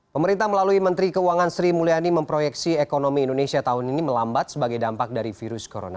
pemerintah melalui menteri keuangan sri mulyani memproyeksi ekonomi indonesia tahun ini melambat sebagai dampak dari virus corona